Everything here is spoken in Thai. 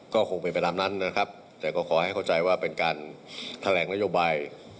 ก็คงเป็นไปตามนั้นนะครับแต่ก็ขอให้เข้าใจว่าเป็นการแถลงนโยบาย